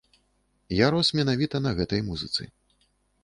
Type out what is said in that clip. Я рос менавіта на гэтай музыцы.